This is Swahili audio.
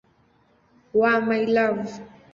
wa "My Love".